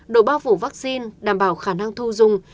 độ bao phủ vaccine đảm bảo khả năng thu dung